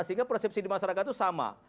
sehingga persepsi di masyarakat itu sama